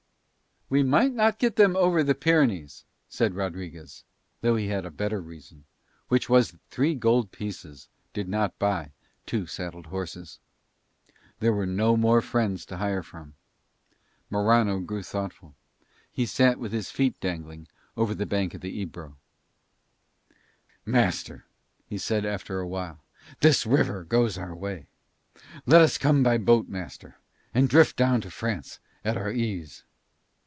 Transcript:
"We might not get them over the Pyrenees," said Rodriguez, though he had a better reason, which was that three gold pieces did not buy two saddled horses. There were no more friends to hire from. Morano grew thoughtful. He sat with his feet dangling over the bank of the Ebro. "Master," he said after a while, "this river goes our way. Let us come by boat, master, and drift down to France at our ease."